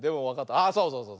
あっそうそうそう。